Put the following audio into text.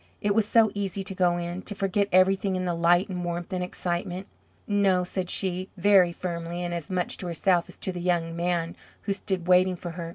It was so easy to go in, to forget everything in the light and warmth and excitement. "No," said she, very firmly, and as much to herself as to the young man who stood waiting for her.